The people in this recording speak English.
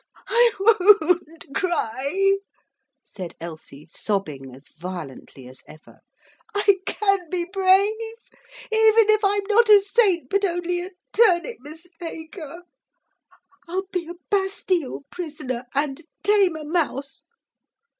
'I won't cry,' said Elsie, sobbing as violently as ever. 'I can be brave, even if I'm not a saint but only a turnip mistaker. I'll be a Bastille prisoner, and tame a mouse!'